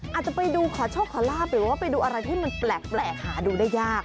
อาจจะไปดูขอโชคขอลาบหรือว่าไปดูอะไรที่มันแปลกหาดูได้ยาก